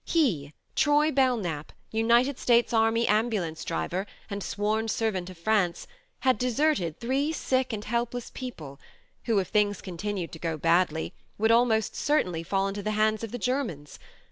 He, Troy Belknap, United States Army Ambulance driver, and sworn servant of France, had deserted three sick and helpless people who, if things continued to go badly, would almost certainly fall into the hands of the Germans.